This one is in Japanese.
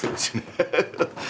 ハハハッ。